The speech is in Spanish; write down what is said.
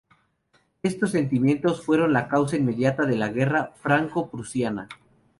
Estos sentimientos fueron la causa inmediata de la guerra franco-prusiana.